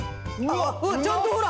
うわっちゃんとほら！